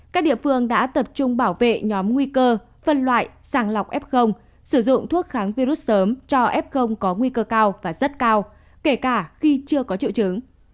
các địa phương đã tập trung bảo vệ nhóm nguy cơ phân loại sàng lọc f sử dụng thuốc kháng virus sớm cho f có nguy cơ cao và rất cao kể cả khi chưa có triệu chứng